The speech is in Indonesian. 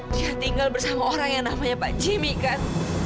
dia tinggal bersama orang yang namanya pak jimmy kan